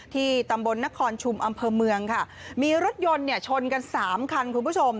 ที่ตำบลนครชุมอำเภอเมืองค่ะมีรถยนต์เนี่ยชนกันสามคันคุณผู้ชม